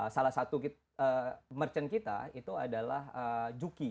salah satu merchant kita itu adalah juki